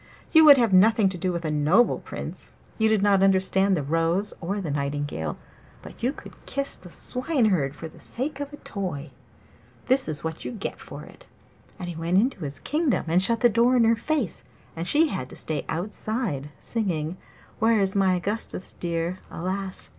'You would have nothing to do with a noble Prince; you did not understand the rose or the nightingale, but you could kiss the Swineherd for the sake of a toy. This is what you get for it!' And he went into his kingdom and shut the door in her face, and she had to stay outside singing 'Where's my Augustus dear? Alas!